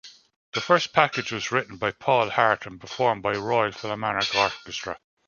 The first package was written by Paul Hart and performed by Royal Philharmonic Orchestra.